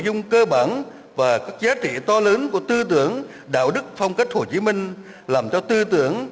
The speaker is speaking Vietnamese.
dung cơ bản và các giá trị to lớn của tư tưởng đạo đức phong cách hồ chí minh làm cho tư tưởng